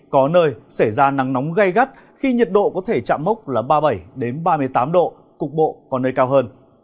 có nơi xảy ra nắng nóng gây gắt khi nhiệt độ có thể chạm mốc là ba mươi bảy ba mươi tám độ cục bộ có nơi cao hơn